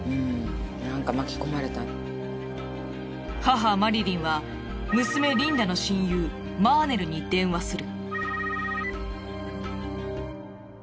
母マリリンは娘リンダの親友マーネルに電話する。